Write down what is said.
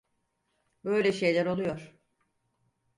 Böyle şeyler oluyor.